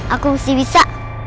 aku mesti bisa